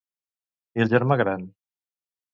I el germà gran?